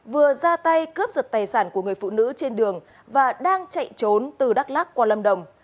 vừa ra tay cướp giật tài sản của người phụ nữ trên đường và đang chạy trốn từ đắk lắc qua lâm đồng